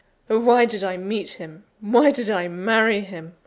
Oh, why did I meet him! why did I marry him!